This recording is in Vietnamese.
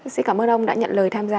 xin cảm ơn ông đã nhận lời tham gia